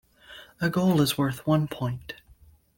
A goal is worth one point.